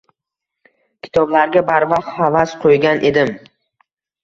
Kitoblarga barvaqt havas qo’ygan edim.